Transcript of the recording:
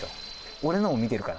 俺のを見てるから。